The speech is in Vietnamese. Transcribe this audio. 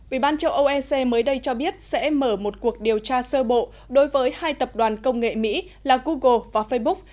uban châu âu ese mới đây cho biết sẽ mở một cuộc điều tra sơ bộ đối với hai tập đoàn công nghệ mỹ là google và facebook